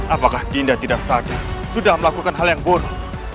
apakah dinda tidak sadar sudah melakukan hal yang buruk